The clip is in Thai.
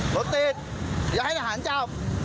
รถติดอย่าให้ทหารจับ